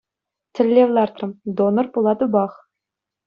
Тӗллев лартрӑм -- донор пулатӑпах.